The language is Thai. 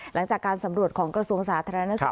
หลังจากการสำรวจของกระทรวงสาธารณสุข